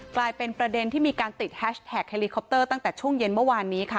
กลายเป็นประเด็นที่มีการติดแฮชแท็กเฮลิคอปเตอร์ตั้งแต่ช่วงเย็นเมื่อวานนี้ค่ะ